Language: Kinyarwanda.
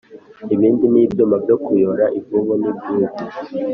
ibibindi n’ibyuma byo kuyora ivu n’ibyungu